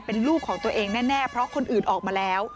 เป็นลูกของตัวเองแน่เพราะคนอื่นออกมาแล้ว